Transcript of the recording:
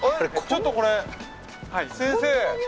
ちょっとこれ先生。